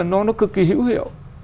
nó cực kỳ hữu hiệu